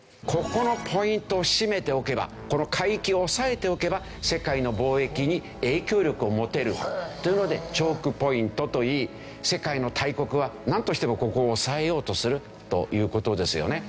ここのポイントを絞めておけばこの海域を押さえておけば世界の貿易に影響力を持てるというのでチョークポイントといい世界の大国はなんとしてもここを押さえようとするという事ですよね。